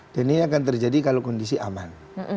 dan ini akan terjadi kalau kondisi aman